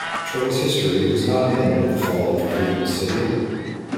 Troy's history does not end with the fall of Priam's city.